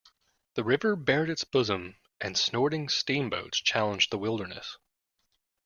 The river bared its bosom, and snorting steamboats challenged the wilderness.